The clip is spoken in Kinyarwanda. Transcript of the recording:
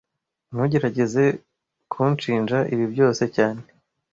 Ntugerageze kunshinja ibi byose cyane